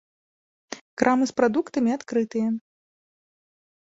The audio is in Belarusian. Крамы з прадуктамі адкрытыя.